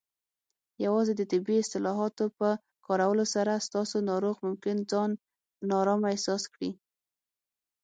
یوازې د طبي اصطلاحاتو په کارولو سره، ستاسو ناروغ ممکن ځان نارامه احساس کړي.